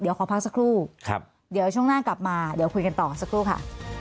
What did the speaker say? เดี๋ยวขอพักสักครู่เดี๋ยวช่วงหน้ากลับมาเดี๋ยวคุยกันต่อสักครู่ค่ะ